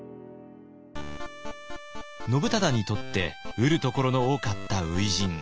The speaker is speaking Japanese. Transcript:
信忠にとって得るところの多かった初陣。